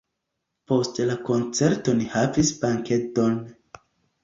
Post la koncerto ni havis bankedon.